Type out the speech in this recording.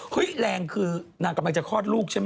แรงคือนางกำลังจะคลอดลูกใช่ไหม